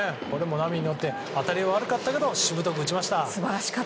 これも波に乗って当たりは悪かったけどしぶとく打ちました。